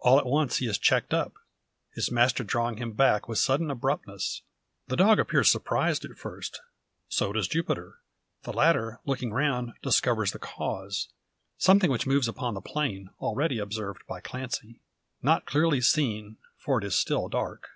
All at once he is checked up, his master drawing him back with sudden abruptness. The dog appears surprised at first, so does Jupiter. The latter, looking round, discovers the cause: something which moves upon the plain, already observed by Clancy. Not clearly seen, for it is still dark.